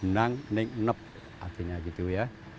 nang hening nep artinya gitu ya